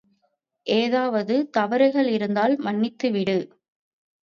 ஏதாவது தவறுகள் இருந்தால் மன்னித்துவிடு.